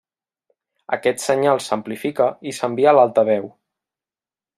Aquest senyal s'amplifica i s'envia a l'altaveu.